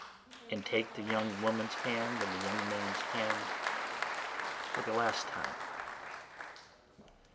And take the young woman's hand and the young man's hand for the last time.